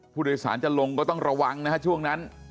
ผู้โดยสารจะลงก็ต้องระวังนะฮะช่วงนั้น